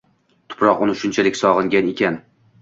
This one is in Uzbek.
Tuproq uni shunchalik sog’ingan ekan.